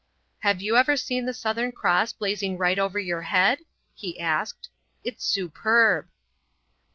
"Have you ever seen the Southern Cross blazing right over your head?" he asked. "It's superb!"